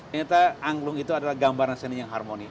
ternyata angklung itu adalah gambaran seni yang harmoni